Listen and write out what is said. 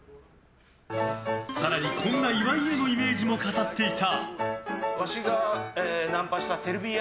更にこんな岩井へのイメージも語っていた。